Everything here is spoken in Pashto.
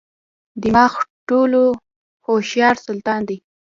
دماغ ټولو هوښیار سلطان دی.